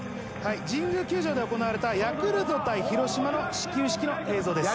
神宮球場で行われたヤクルト対広島の始球式の映像です。